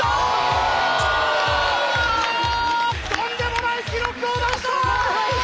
とんでもない記録を出した！